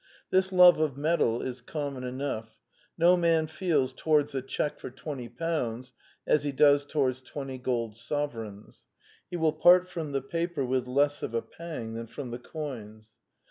This love of metal is common enough: no man feels towards a cheque for £20 as he does towards twenty gold sovereigns: he will part from the paper with less of a pang than from the coins.